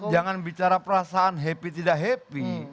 jangan bicara perasaan happy tidak happy